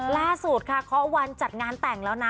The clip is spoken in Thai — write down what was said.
ล่าสุดค่ะเคาะวันจัดงานแต่งแล้วนะ